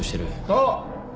あっ！